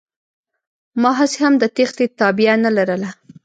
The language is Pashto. ما هسې هم د تېښتې تابيا نه لرله.